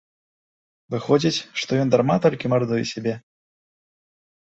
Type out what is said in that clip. Выходзіць, што ён дарма толькі мардуе сябе?